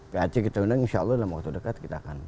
pac kita undang insya allah dalam waktu dekat kita akan